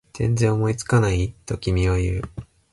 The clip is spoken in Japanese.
全然思いつかない？と君は言う